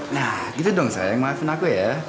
nah gitu dong sayang maafin aku ya